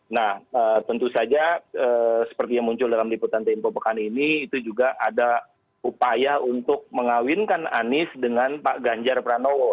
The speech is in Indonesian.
nah tentu saja seperti yang muncul dalam liputan tempo pekan ini itu juga ada upaya untuk mengawinkan anies dengan pak ganjar pranowo